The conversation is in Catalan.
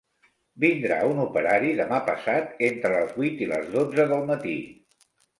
Vindrà un operari demà passat entre les vuit i les dotze del matí.